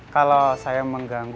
kalau saya mengganggu